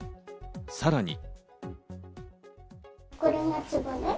さらに。